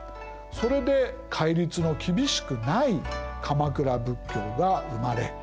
それで戒律の厳しくない鎌倉仏教が生まれ広まった。